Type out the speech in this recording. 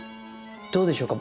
どうでしょうか？